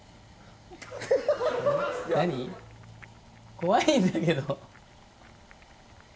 怖いんだけど。